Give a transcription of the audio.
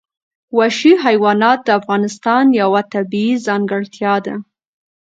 وحشي حیوانات د افغانستان یوه طبیعي ځانګړتیا ده.